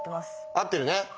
合ってるね。